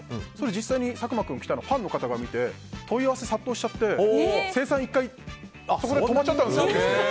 実際に佐久間君が着たのをファンの方が見て問い合わせが殺到しちゃって生産が１回止まっちゃったんです。